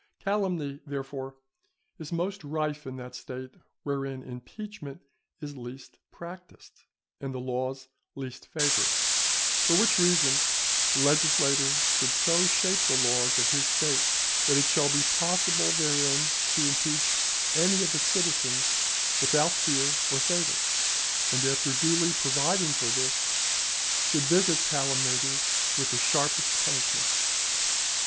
Calumny, therefore, is most rife in that State wherein impeachment is least practised, and the laws least favour it. For which reasons the legislator should so shape the laws of his State that it shall be possible therein to impeach any of its citizens without fear or favour; and, after duly providing for this, should visit calumniators with the sharpest punishments.